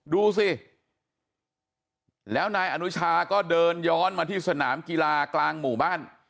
ดูสิแล้วนายอนุชาก็เดินย้อนมาที่สนามกีฬากลางหมู่บ้าน